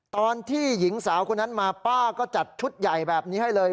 ตอนที่หญิงสาวคนนั้นมาป้าก็จัดชุดใหญ่แบบนี้ให้เลย